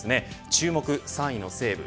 注目、３位の西武